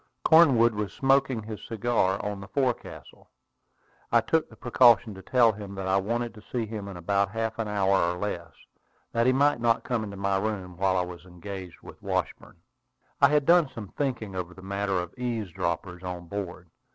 Cornwood was smoking his cigar on the forecastle. I took the precaution to tell him that I wanted to see him in about half an hour or less, that he might not come into my room while I was engaged with Washburn. I had done some thinking over the matter of eavesdroppers on board.